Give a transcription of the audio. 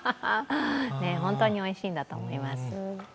本当においしいんだと思います。